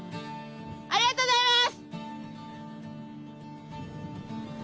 ありがとうございます！